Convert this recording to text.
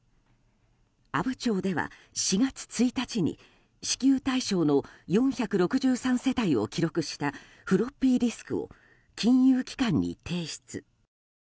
阿武町では４月１日に支給対象の４６３世帯を記録したフロッピーディスクを金融機関に提出。